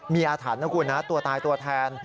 มีอาถรรพ์นะคุณนะตัวตายตัวแทน